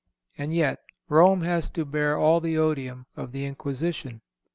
And yet Rome has to bear all the odium of the Inquisition!